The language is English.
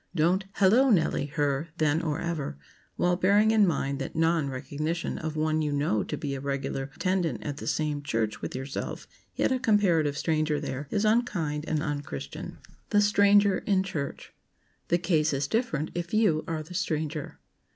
Don't "Hello, Nellie!" her, then or ever, while bearing in mind that non recognition of one you know to be a regular attendant at the same church with yourself, yet a comparative stranger there, is unkind and un Christian. [Sidenote: THE STRANGER IN CHURCH] The case is different if you are the stranger.